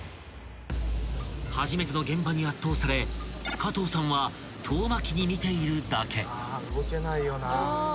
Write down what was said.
［初めての現場に圧倒され加藤さんは遠巻きに見ているだけ］